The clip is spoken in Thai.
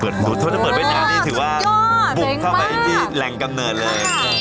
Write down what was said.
ถ้าเปิดเวียงนี่ถือว่าบุกเข้าไปที่แหล่งกำเนิดเลย